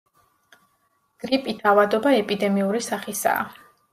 გრიპით ავადობა ეპიდემიური სახისაა.